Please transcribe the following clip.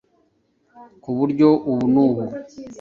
ku buryo ubu n’ubu,